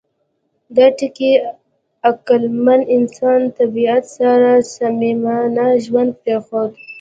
دا ټکي عقلمن انسان د طبیعت سره صمیمانه ژوند پرېښود.